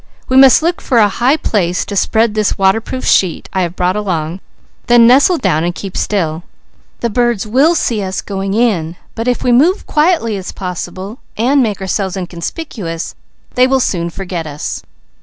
We must look for a high place to spread this waterproof sheet I have brought along, then nestle down and keep still. The birds will see us going in, but if we make ourselves inconspicuous, they will soon forget us.